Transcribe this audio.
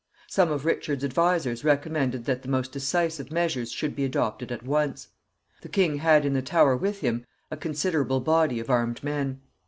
Some of Richard's advisers recommended that the most decisive measures should be adopted at once. The king had in the Tower with him a considerable body of armed men.